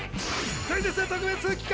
クイズッス特別企画